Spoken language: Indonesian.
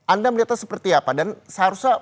anda melihatnya seperti apa dan seharusnya